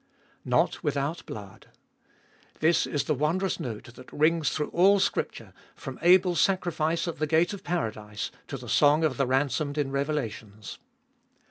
Not without blood ! This is the wondrous note that rings through all Scripture, from Abel's sacrifice at the gate of paradise to the song of the ransomed in Revelations.